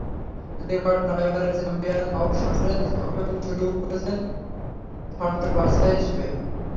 Record নয়বারের champion অবশ্য French Open শুরু করছেন ষষ্ঠ বাছাই হিসেবে।